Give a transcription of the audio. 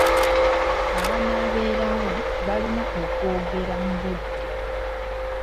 Abanaabeerawo balina okwogera mu budde.